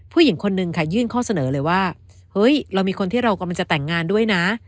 ผู้หญิงคนนึงค่ะยื่นข้อเสนอเลยว่าเฮ้ยเรามีคนที่เรากำลังจะแต่งงานด้วยนะ